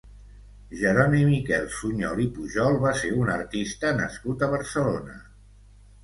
Jeroni Miquel Suñol i Pujol va ser un artista nascut a Barcelona.